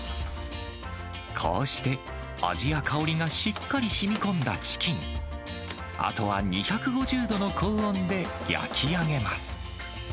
こうして味や香りがしっかりしみこんだチキン、あとは２５０度の高温で焼き上げます。